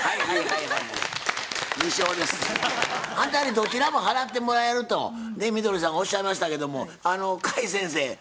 反対にどちらも払ってもらえるとみどりさんがおっしゃいましたけども甲斐先生？